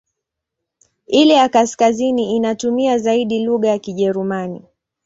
Ile ya kaskazini inatumia zaidi lugha ya Kijerumani.